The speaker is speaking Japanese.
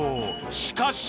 しかし。